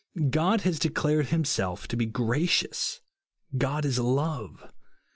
God has declared himself to be gracious " God is love."